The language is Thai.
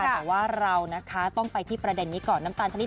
แต่ว่าเรานะคะต้องไปที่ประเด็นนี้ก่อน